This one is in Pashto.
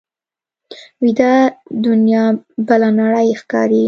ویده دنیا بله نړۍ ښکاري